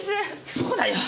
そうだよ。